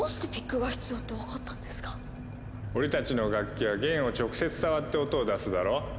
俺たちの楽器は弦を直接触って音を出すだろ。